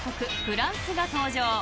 フランスが登場。